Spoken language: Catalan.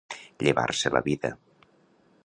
Llevar-se la vida.